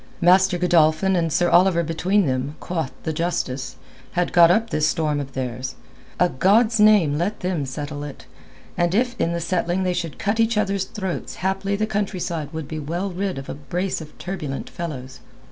Master Godolphin and Sir Oliver between them, quoth the justice, had got up this storm of theirs. A God's name let them settle it, and if in the settling they should cut each other's throats haply the countryside would be well rid of a brace of turbulent fellows.